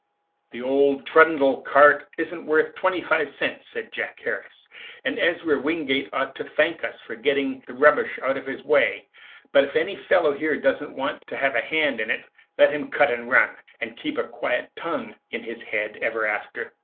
"The old trundle cart isn't worth twenty five cents," said Jack Harris, "and Ezra Wingate ought to thank us for getting the rubbish out of the way. But if any fellow here doesn't want to have a hand in it, let him cut and run, and keep a quiet tongue in his head ever after."